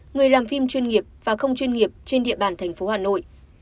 người làm phim chuyên nghiệp và không chuyên nghiệp trên địa bàn thành phố hà nội